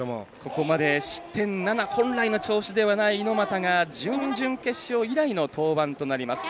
ここまで失点７本来の調子ではない猪俣が準々決勝以来の登板となります。